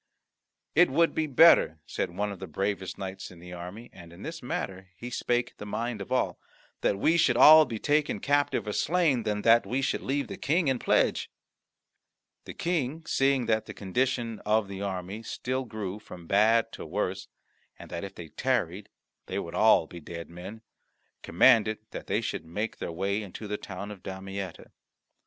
"It would be better," said one of the bravest knights in the army, and in this matter he spake the mind of all, "that we should all be taken captive or slain, than that we should leave the King in pledge." The King, seeing that the condition of the army still grew from bad to worse, and that if they tarried they would all be dead men, commanded that they should make their way into the town of Damietta.